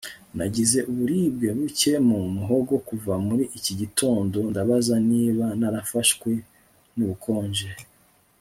Nagize uburibwe buke mu muhogo kuva muri iki gitondo Ndabaza niba narafashwe nubukonje